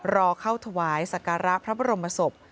รอเข้าถวายสักการะพระบรมศพ